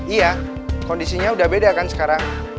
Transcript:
iya kondisinya udah beda kan sekarang